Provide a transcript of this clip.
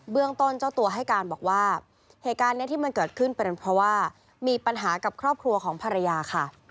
เรื่องต้นเจ้าตัวให้การบอกว่าเหตุการณ์นี้ที่มันเกิดขึ้นเป็นเพราะว่ามีปัญหากับครอบครัวของภรรยาค่ะ